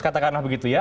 katakanlah begitu ya